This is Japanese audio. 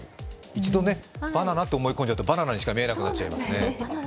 一度バナナと思い込んじゃうとバナナにしか見えなくなっちゃいますね。